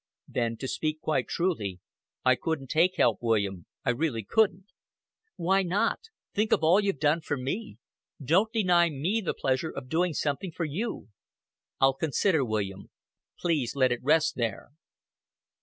"Then to speak quite truly, I couldn't take help, William, I really couldn't." "Why not? Think of all you've done for me. Don't deny me the pleasure of doing something for you." "I'll consider, William. Please let it rest there."